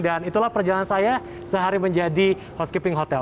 dan itulah perjalanan saya sehari menjadi housekeeping hotel